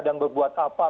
dan berbuat apa